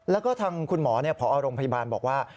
แล้วก็ทางคุณหมอพอโรงพยาบาลบอกว่า